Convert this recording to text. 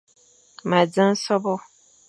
Ma dzeng sôbô.